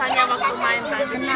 kalau di sekolah main apa